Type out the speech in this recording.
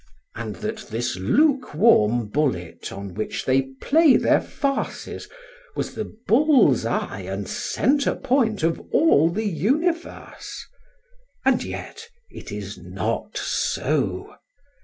and that this lukewarm bullet on which they play their farces was the bull's eye and centrepoint of all the universe? And yet it is not so.